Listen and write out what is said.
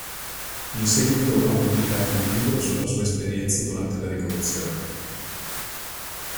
In seguito ha pubblicato un libro sulla sua esperienza durante la rivoluzione.